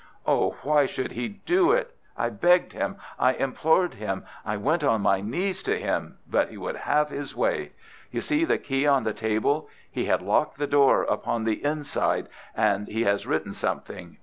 Oh, why would he do it? I begged him, I implored him, I went on my knees to him, but he would have his way. You see the key on the table. He had locked the door upon the inside. And he has written something.